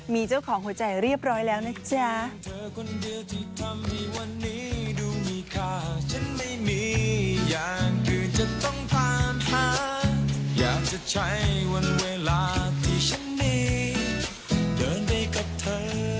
ตัวอย่างเป็นทางการว่ามีเจ้าของหัวใจเรียบร้อยแล้วนะจ๊ะ